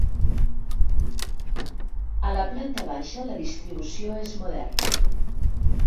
A la planta baixa la distribució és moderna.